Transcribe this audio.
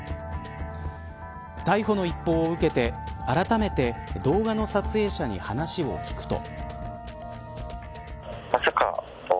逮捕の一報を受けてあらためて動画の撮影者に話を聞くと。